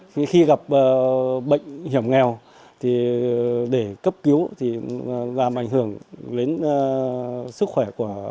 khi gặp bệnh hiểm nghèo để cấp cứu thì làm ảnh hưởng đến sức khỏe